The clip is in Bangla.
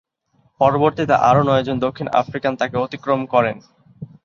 পরবর্তীতে আরও নয়জন দক্ষিণ আফ্রিকান তাকে অতিক্রম করেন।